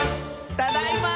「ただいま」